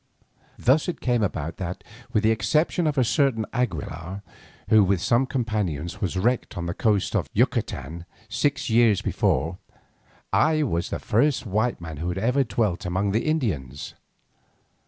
Thus it came about that, with the exception of a certain Aguilar, who with some companions was wrecked on the coast of Yucatan six years before, I was the first white man who ever dwelt among the Indians.